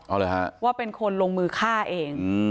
เอาเลยฮะว่าเป็นคนลงมือฆ่าเอง